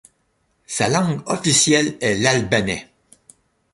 Sa langue officielle est l'albanais.